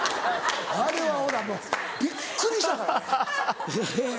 あれは俺はもうびっくりしたからね。